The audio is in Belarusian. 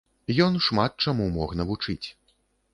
Ён шмат чаму мог навучыць.